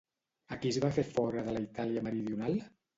A qui es va fer fora de la Itàlia meridional?